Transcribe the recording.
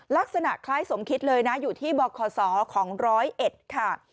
ลักษณะคล้ายสมคิดเลยนะอยู่ที่บคศของร้อยเอ็ดค่ะ